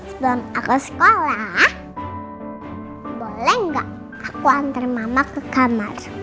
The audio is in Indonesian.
sebelum aku sekolah boleh nggak aku antre mama ke kamar